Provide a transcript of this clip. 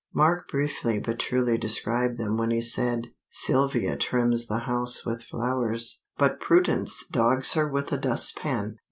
Mark briefly but truly described them when he said, "Sylvia trims the house with flowers, but Prudence dogs her with a dust pan."